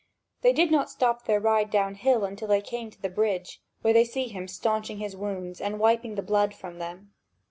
They did not stop their ride downhill until they came to the bridge, where they see him stanching his wounds and wiping the blood from them.